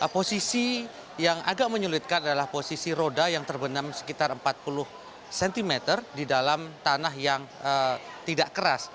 posisi yang agak menyulitkan adalah posisi roda yang terbenam sekitar empat puluh cm di dalam tanah yang tidak keras